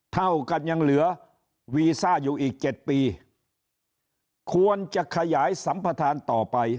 เท่ากันยังเหลือวีซ่าอยู่อีกเจ็ดปีควรจะขยายสัมประธานต่อไป